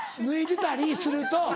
「脱いでたりすると」